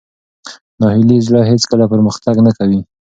ناهیلي زړه هېڅکله پرمختګ نه کوي.